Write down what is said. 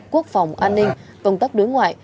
quốc phòng an ninh công tác đối ngoại